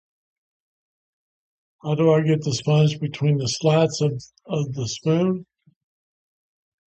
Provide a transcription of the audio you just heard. How do I get the sponge between the slats of the spoon?